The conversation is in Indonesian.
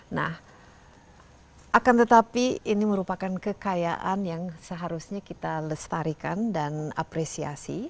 nah akan tetapi ini merupakan kekayaan yang seharusnya kita lestarikan dan apresiasi